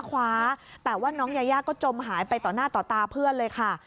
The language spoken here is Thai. คว้าแต่ว่าน้องยายาก็จมหายไปต่อหน้าต่อตาเพื่อนเลยค่ะ